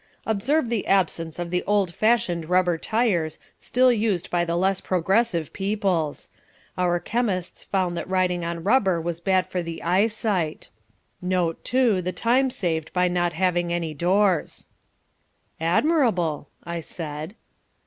"Observe the absence of the old fashioned rubber tires, still used by the less progressive peoples. Our chemists found that riding on rubber was bad for the eye sight. Note, too, the time saved by not having any doors." "Admirable," I said.